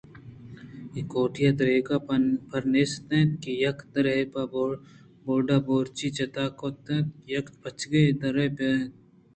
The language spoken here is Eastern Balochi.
اے کوٹی ءَ دریگ پر نیست ات ءُیک دارے ءِ بورڈءَ بورچی ءَ جتاکُتگ اَت ءُ یک پچیں درے پر اَت ئِے